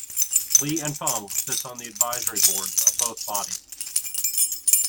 Li and Fung sits on the advisory board of both bodies.